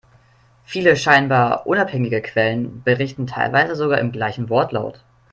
Viele scheinbar unabhängige Quellen, berichten teilweise sogar im gleichen Wortlaut.